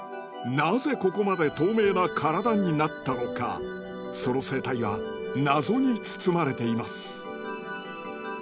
なぜここまで透明な体になったのかその生態はナゾに包まれています。